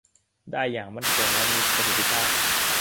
ได้อย่างมั่นคงและมีประสิทธิภาพ